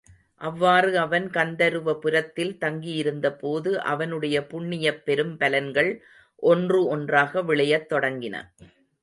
அவ்வாறு அவன் கந்தருவபுரத்தில் தங்கியிருந்தபோது அவனுடைய புண்ணியப் பெரும்பலன்கள் ஒன்று ஒன்றாக விளையத் தொடங்கின.